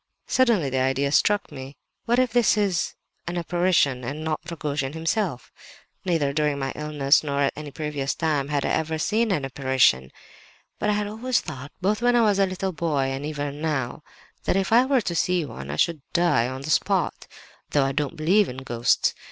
Suddenly the idea struck me—what if this is an apparition and not Rogojin himself? "Neither during my illness nor at any previous time had I ever seen an apparition;—but I had always thought, both when I was a little boy, and even now, that if I were to see one I should die on the spot—though I don't believe in ghosts.